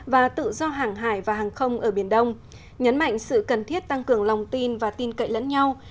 và tự do hàng hải và hàng không ở biển đông nhấn mạnh sự cần thiết tăng cường lòng tin và tin cậy lẫn nhau